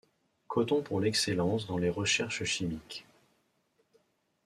Cotton pour l’excellence dans les recherches chimiques.